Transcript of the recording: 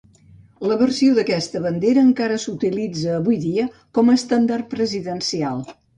La versió d'aquesta bandera encara s'utilitza avui dia, com a estendard presidencial.